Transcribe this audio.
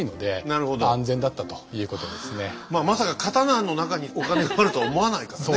まあ何よりまあまさか刀の中にお金があるとは思わないからね。